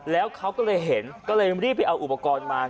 แล้วเขาก็เลยเห็นก็เลยรีบไปเอาอุปกรณ์มา